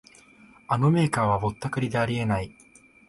あのメーカーはぼったくりであり得ない